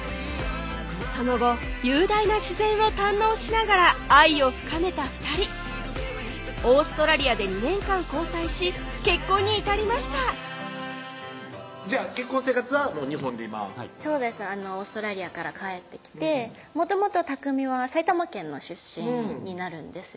その後雄大な自然を堪能しながら愛を深めた２人オーストラリアで２年間交際し結婚に至りましたじゃあ結婚生活は日本で今そうですオーストラリアから帰ってきてもともと巧は埼玉県の出身になるんですよ